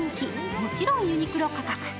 もちろんユニクロ価格。